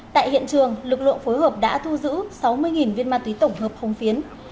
tại hiện trường lực lượng phối hợp đã thu giữ sáu mươi viên ma túy tổng hợp hồng phiến